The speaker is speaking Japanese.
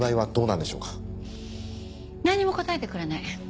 なんにも答えてくれない。